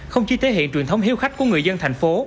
không chỉ thể hiện truyền thống hiếu khách của người dân thành phố